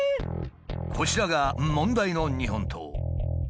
こちらが問題の日本刀。